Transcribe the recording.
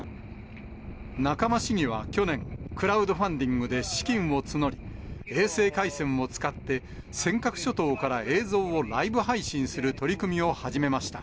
仲間市議は去年、クラウドファンディングで資金を募り、衛星回線を使って尖閣諸島から映像をライブ配信する取り組みを始めました。